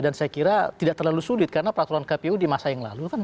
dan saya kira tidak terlalu sulit karena peraturan kpu di masa yang lalu